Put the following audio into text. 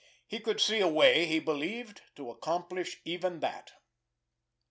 He could see a way, he believed, to accomplish even that.